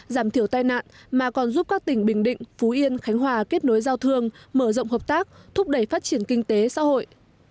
giảm thiểu tai nạn mà còn giúp các tỉnh bình định phú yên khánh hòa kết nối giao thương mở rộng hợp tác thúc đẩy phát triển kinh tế xã hội